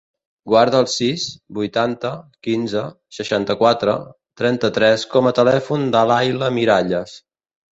Guarda el sis, vuitanta, quinze, seixanta-quatre, trenta-tres com a telèfon de l'Ayla Miralles.